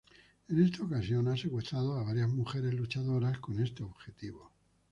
En esta ocasión, ha secuestrado a varias mujeres luchadoras con este objetivo.